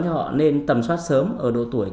cho họ nên tầm soát sớm ở độ tuổi